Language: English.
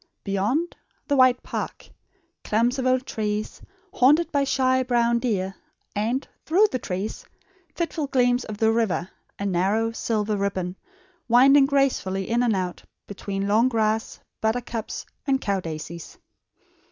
Beyond the wide park; clumps of old trees, haunted by shy brown deer; and, through the trees, fitful gleams of the river, a narrow silver ribbon, winding gracefully in and out between long grass, buttercups, and cow daisies.